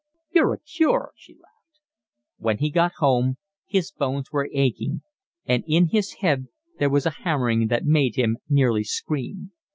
"You are a cure," she laughed. When he got home his bones were aching, and in his head there was a hammering that made him nearly scream.